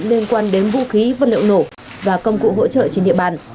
liên quan đến vũ khí vật liệu nổ và công cụ hỗ trợ trên địa bàn